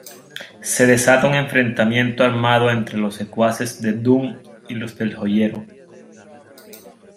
Se desata un enfrentamiento armado entre los secuaces de Doom y los del Joyero.